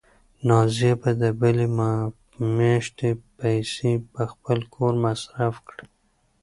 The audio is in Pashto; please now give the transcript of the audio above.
نازیه به د بلې میاشتې پیسې په خپل کور مصرف کړي.